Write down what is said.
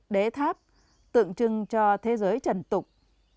đế tháp tượng trưng cho thế giới trần tụng